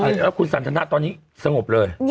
แล้วคุณสันทนะตอนนี้สงบเลย